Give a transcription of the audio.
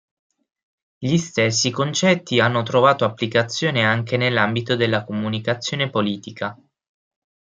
Gli stessi concetti hanno trovato applicazione anche nell'ambito della comunicazione politica.